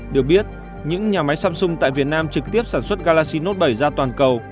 điều biết những nhà máy samsung tại việt nam trực tiếp sản xuất galaxy note bảy ra toàn cầu